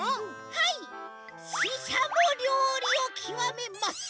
はいししゃもりょうりをきわめます！